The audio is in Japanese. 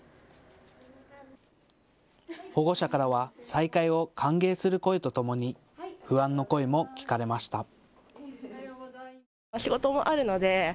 保護者からは再会を歓迎する声とともに不安の声も聞かれました。